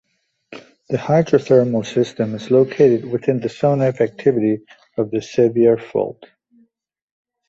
The hydrothermal system is located within the zone of activity of the Sevier Fault.